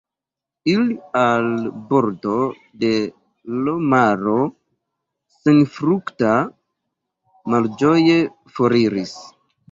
Ili al bordo de l' maro senfrukta malĝoje foriris.